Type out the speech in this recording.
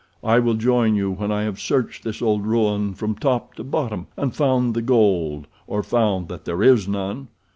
"I will join you when I have searched this old ruin from top to bottom, and found the gold, or found that there is none.